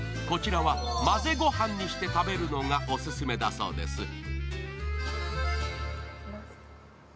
こちらは混ぜごはんにして食べるのがオススメだそうです。